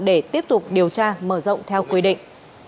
để tiếp tục điều tra mở rộng theo quy định